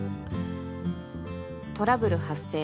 「トラブル発生。